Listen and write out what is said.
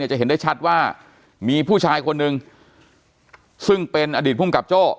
จะเห็นได้ชัดว่ามีผู้ชายคนหนึ่งซึ่งเป็นอดีตภูมิกับโจ้